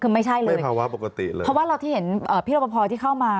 คือไม่ใช่เลยเพราะว่าเราที่เห็นพี่รบพอที่เข้ามา